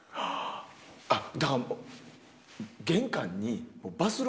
あだから。